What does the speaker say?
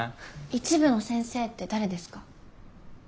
一部の先生って誰ですか？